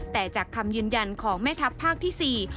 แต่จากคำยืนยันของแม่ทัพภาคที่๔